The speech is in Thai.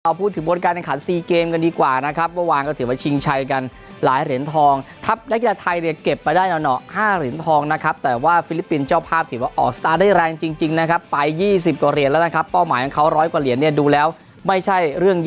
เอาพูดถึงบนการแข่งขัน๔เกมกันดีกว่านะครับเมื่อวานก็ถือว่าชิงชัยกันหลายเหรียญทองทัพนักกีฬาไทยเนี่ยเก็บไปได้หน่อ๕เหรียญทองนะครับแต่ว่าฟิลิปปินส์เจ้าภาพถือว่าออกสตาร์ทได้แรงจริงนะครับไป๒๐กว่าเหรียญแล้วนะครับเป้าหมายของเขาร้อยกว่าเหรียญเนี่ยดูแล้วไม่ใช่เรื่อง